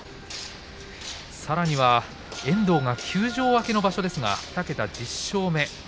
さらには遠藤が休場明けの場所ですが２桁１０勝目。